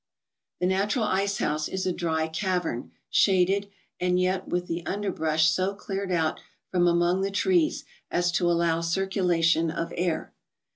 The natural ice house is a dry cavern, shaded, and yet with the underbrush so cleared out from among the trees as to allow circulation of air.